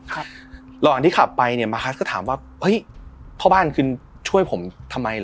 ครับระหว่างที่ขับไปเนี่ยมาคัสก็ถามว่าเฮ้ยพ่อบ้านคุณช่วยผมทำไมเหรอ